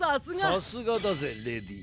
さすがだぜレディー。